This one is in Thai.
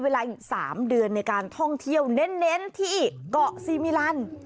เราเน้นที่เกาะซีมิลัน